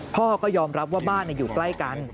พ่อก็ยอมรับว่าบ้านอยู่ใกล้กัน